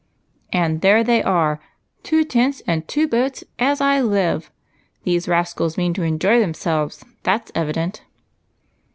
"And there they are! Two tents and two boats, as I live ! These rascals mean to enjoy themselves, that's evident."